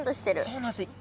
そうなんですよ。